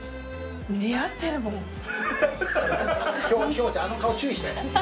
京子ちゃんあの顔注意して。